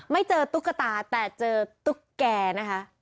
ไม่เจอตุ๊กตาแต่เจอตุ๊กแก่นะคะ